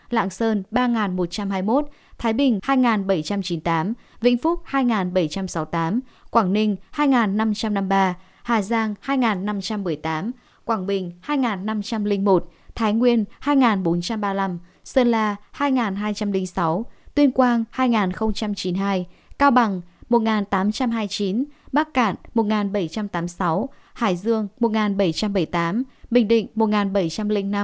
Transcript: lạng sơn ba một trăm hai mươi một thái bình hai bảy trăm chín mươi tám vĩnh phúc hai bảy trăm sáu mươi tám quảng ninh hai năm trăm năm mươi ba hà giang hai năm trăm một mươi tám quảng bình hai năm trăm linh một thái nguyên hai bốn trăm ba mươi năm sơn la hai hai trăm linh sáu tuyên quang hai chín mươi hai cao bằng một tám trăm hai mươi chín bắc cạn một bảy trăm tám mươi sáu hải dương một bảy trăm bảy mươi tám bình định một bảy trăm linh năm